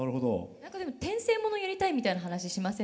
何か転生物やりたいみたいな話しませんでした？